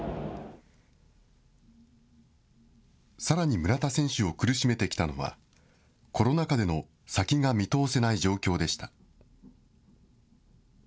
さらに村田選手を苦しめてきたのは、コロナ禍での先が見通せない状況でした。